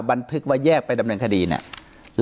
บันทึกว่าแยกไปดำเนินคดีเนี่ย